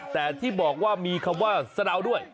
แต่ที่บอกว่ามีคำว่าสะดาวด้วย